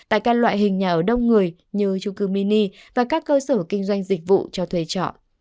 tại các loại hình nhà ở đông người như trung cư mini và các cơ sở kinh doanh dịch vụ cho thuê trọ